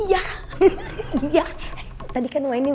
su poster usurstan sampai besok